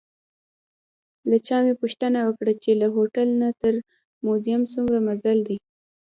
له چا مې پوښتنه وکړه چې له هوټل نه تر موزیم څومره مزل دی؟